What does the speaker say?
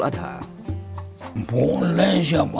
sedangkan ada juga sholat idul fitri dan sholat idul adha